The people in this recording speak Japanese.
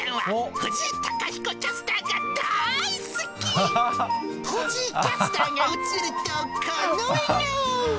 藤井キャスターが映るとこの笑顔。